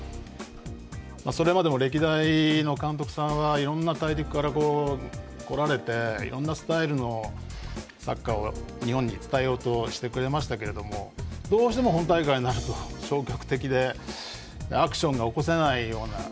それまでも歴代の監督さんはいろいろな大陸から来られていろいろなスタイルのサッカーを日本に伝えようとしてくれてましたけどどうしても本大会になると消極的でアクションが起こせないような。